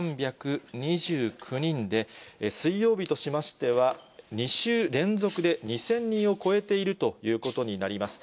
２３２９人で、水曜日としましては、２週連続で２０００人を超えているということになります。